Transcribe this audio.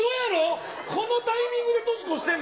このタイミングで年越してんの？